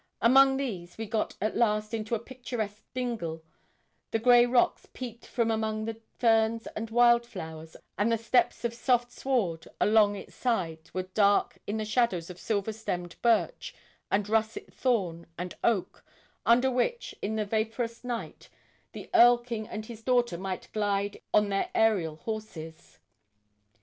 Among these, we got at last into a picturesque dingle; the grey rocks peeped from among the ferns and wild flowers, and the steps of soft sward along its sides were dark in the shadows of silver stemmed birch, and russet thorn, and oak, under which, in the vaporous night, the Erl king and his daughter might glide on their aërial horses.